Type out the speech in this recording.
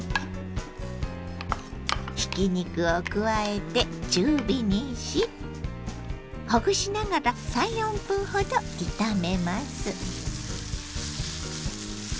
ひき肉を加えて中火にしほぐしながら３４分ほど炒めます。